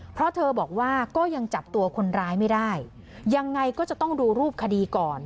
เพราะเธอบอกว่าก็ยังจับตัวคนร้ายไม่ได้ยังไงก็จะต้องดูรูปคดีก่อน